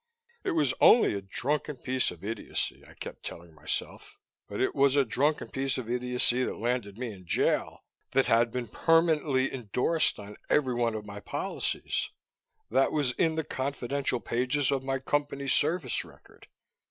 It was only a drunken piece of idiocy, I kept telling myself. But it was a drunken piece of idiocy that landed me in jail, that had been permanently indorsed on every one of my policies, that was in the confidential pages of my Company service record.